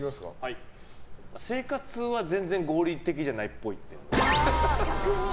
生活は全然合理的じゃないっぽい。